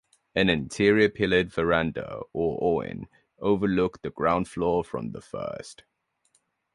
An interior pillared verandah or "aiwan" overlooked the ground floor from the first.